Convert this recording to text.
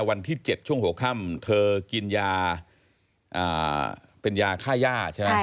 วันที่๗ช่วงหัวค่ำเธอกินยาเป็นยาค่าย่าใช่ไหม